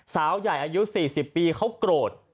สาวใหญ่อายุ๔๐ปีเขาโกรธ